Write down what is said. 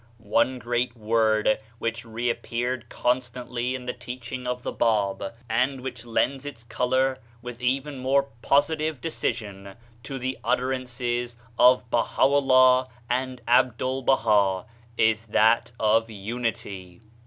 One great word which reappeared con stantly in the teaching of the Bab, and which lends its color with even more positive decision to the utterances of Baha Ullah and Abdul Baha, is that of unity.